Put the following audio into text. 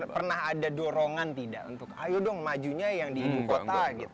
pernah ada dorongan tidak untuk ayo dong majunya yang di ibu kota